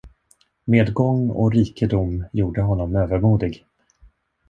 Medgång och rikedom gjorde honom övermodig.